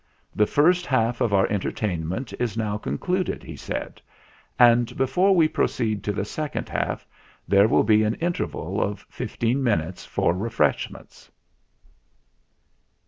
"The first half of our entertainment is now concluded," he said, "and before we proceed to the second half there will be an interval of fifteen minutes for refreshments."